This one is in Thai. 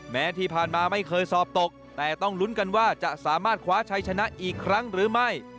แม้ที่ผ่านมาไม่เคยสอบตกแต่ต้องลุ้นกันว่าจะสามารถคว้าชัยชนะอีกครั้งหรือไม่